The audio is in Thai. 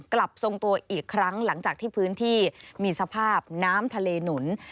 กลับทรงตัวอีกครั้งหลังจากที่พื้นที่มีสภาพน้ำทะเลหนุน